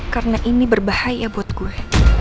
karena ini berbahaya buat gue